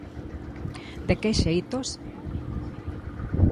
De que xeitos?